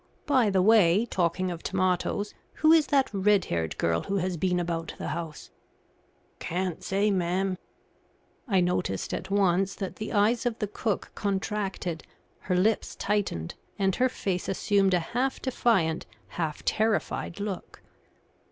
By the way, talking of tomatoes, who is that red haired girl who has been about the house?" "Can't say, ma'am." I noticed at once that the eyes of the cook contracted, her lips tightened, and her face assumed a half defiant, half terrified look.